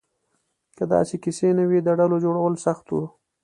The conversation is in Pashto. که داسې کیسې نه وې، د ډلو جوړول سخت وو.